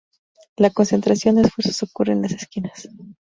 La concentración de esfuerzos ocurre en las esquinas.